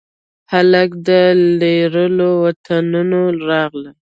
هلک د لیرو وطنونو راغلي